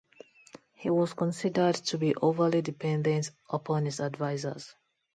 He was considered to be overly dependent upon his advisers.